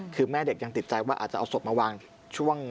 คือแม่เด็กยังติดใจว่าอาจจะเอาศพมาวางช่วง